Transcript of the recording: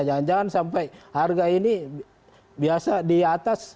jangan jangan sampai harga ini biasa di atas